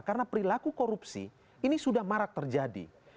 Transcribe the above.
karena perilaku korupsi ini sudah marak terjadi